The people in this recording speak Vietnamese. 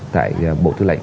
tại bộ tư lệnh